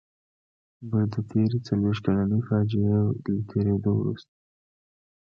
موږ د تېرې څلويښت کلنې فاجعې له تېرېدو وروسته.